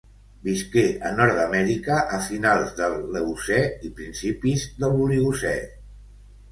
Visqué a Nord-amèrica a finals de l'Eocè i principis de l'Oligocè.